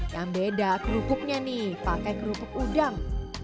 yang beda kerupuknya nih pakai kerupuk udang